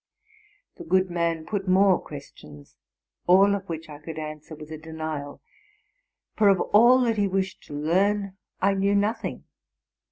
The good man put more questions, all of which I could answer with a denial; for of all that he wished to learn I knew nothing.